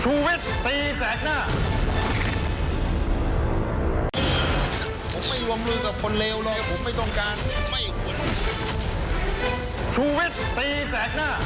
ชูวิตตีแสกหน้า